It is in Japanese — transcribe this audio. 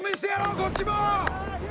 こっちも。